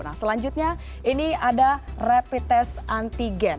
nah selanjutnya ini ada rapid test antigen